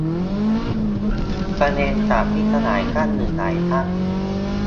ประเด็นจาก มิตรสหายท่านหนึ่ง หลายท่าน